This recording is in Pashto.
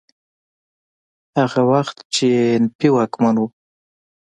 هغه وخت چې اي این پي واکمن و.